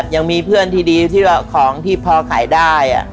ยังมีเพื่อนที่ดีที่ว่าของที่พอขายได้